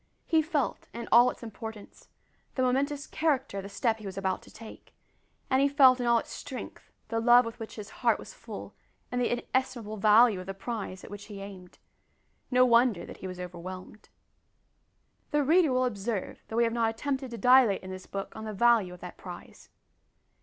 He felt, in all its importance, the momentous character of the step he was about to take, and he felt in all its strength the love with which his heart was full, and the inestimable value of the prize at which he aimed. No wonder that he was overwhelmed. The reader will observe that we have not attempted to dilate in this book on the value of that prize.